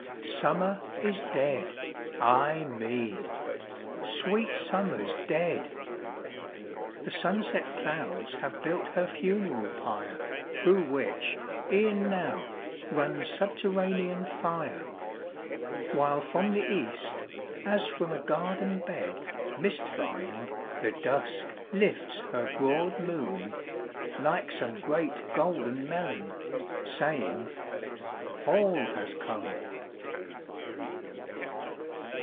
Summer is dead, ay me! sweet Summer's dead! The sunset clouds have built her funeral pyre, Through which, e'en now, runs subterranean fire: While from the East, as from a garden bed, Mist vined, the Dusk lifts her broad moon like some Great golden melon saying, "Fall has come."